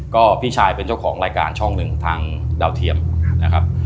ก็พี่ชายเป็นเจ้าของรายการช่องหนึ่งทางดาวเทียมนะครับ